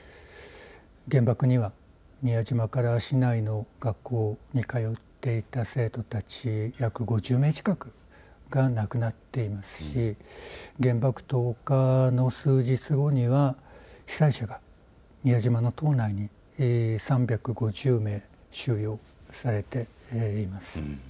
原爆には宮島から市内の学校に通っていた生徒たち約５０名近くが亡くなっていますし原爆投下の数日後には被災者が宮島の島内に３５０名、収容されています。